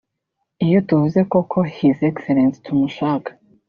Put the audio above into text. iyo tuvuze ko ko His Excellence tumushaka